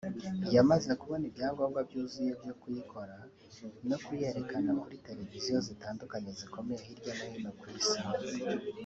yamaze kubona ibyangombwa byuzuye byo kuyikora no kuyerekana kuri televiziyo zitandukanye zikomeye hirya no hino ku Isi